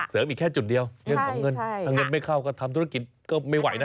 เสริมอีกแค่จุดเดียวถ้าเงินไม่เข้าก็ทำธุรกิจก็ไม่ไหวนะ